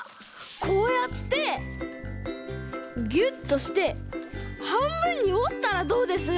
こうやってギュッとしてはんぶんにおったらどうです？